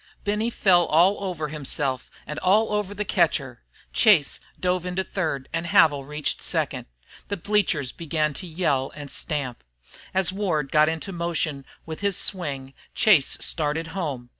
Benny fell all over himself and all over the catcher. Chase dove into third and Havil reached second. The bleachers began to yell and stamp. As Ward got into motion with his swing Chase started home.